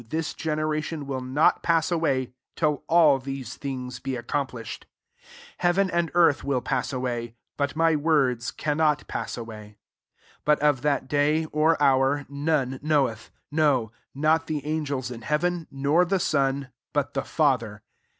This genera tion will not pass away, till all these things be accomplished. 31 Heaven and earth will pass away; but my words cannot pass away. 32 But of that day, or hour, none knoweth ; no, not the an gels in heaven, nor the Son ; but the Father.